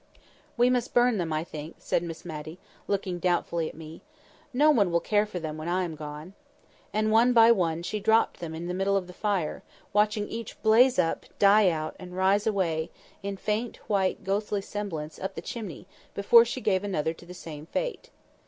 "We must burn them, I think," said Miss Matty, looking doubtfully at me. "No one will care for them when I am gone." And one by one she dropped them into the middle of the fire, watching each blaze up, die out, and rise away, in faint, white, ghostly semblance, up the chimney, before she gave another to the same fate.